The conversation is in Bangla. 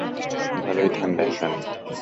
ভালোই ঠান্ডা এখানে।